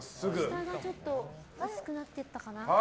下がちょっと薄くなったかな。